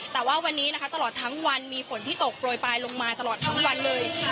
แต่ว่าวันนี้นะคะตลอดทั้งวันมีฝนที่ตกโปรยปลายลงมาตลอดทั้งวันเลย